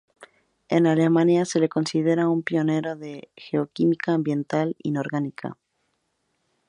En Alemania se le considera un pionero de la geoquímica ambiental inorgánica.